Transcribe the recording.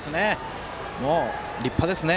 もう立派ですね。